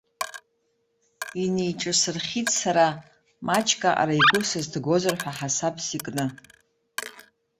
Инеиҿасырхьит сара, маҷк аҟара игәы сызҭгозар ҳәа ҳасабс икны.